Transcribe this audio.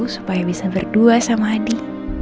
supaya bisa berdua sama adi